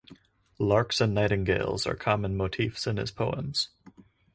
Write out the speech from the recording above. Larks and nightingales are common motifs in his poems.